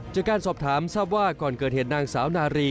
จากการสอบถามทราบว่าก่อนเกิดเหตุนางสาวนารี